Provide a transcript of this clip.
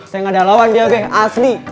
saya gak ada lawan dia oke asli